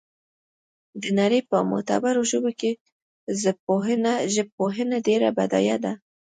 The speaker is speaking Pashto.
د نړۍ په معتبرو ژبو کې ژبپوهنه ډېره بډایه ده